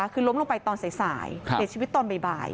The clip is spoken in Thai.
คือล้มลงไปตอนสายเสียชีวิตตอนบ่าย